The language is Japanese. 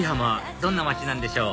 どんな街なんでしょう